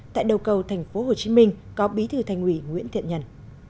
tại đầu cầu tp hcm có bí thư thanh huy nguyễn thiện nhân